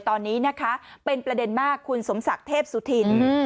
ตอนนี้นะคะเป็นประเด็นมากคุณสมศักดิ์เทพสุธิน